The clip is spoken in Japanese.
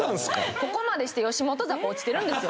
ここまでして吉本坂落ちてるんですよ